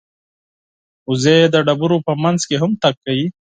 وزې د ډبرو په منځ کې هم تګ کوي